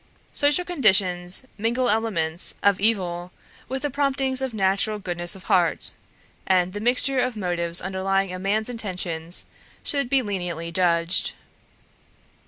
Social conditions mingle elements of evil with the promptings of natural goodness of heart, and the mixture of motives underlying a man's intentions should be leniently judged.